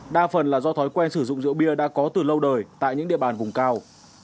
đa phần là do thói quen sử dụng rượu bia đã có từ lâu đời tại những địa bàn vùng cao